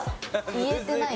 言ってない。